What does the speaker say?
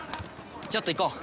ちょっと行こう！